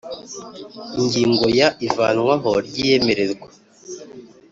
Ingingo ya ivanwaho ry iyemererwa